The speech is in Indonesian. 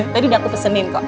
tadi udah aku pesenin kok